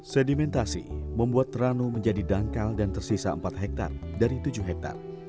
sedimentasi membuat ranu menjadi dangkal dan tersisa empat hektare dari tujuh hektare